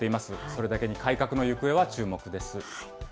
それだけに改革の行方は注目です。